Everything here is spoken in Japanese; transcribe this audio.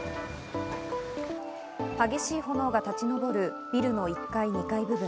激しい炎が立ち上るビルの１階、２階部分。